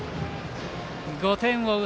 ５点を追う